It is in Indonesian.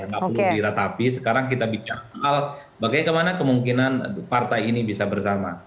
nggak perlu diratapi sekarang kita bicara soal bagaimana kemungkinan partai ini bisa bersama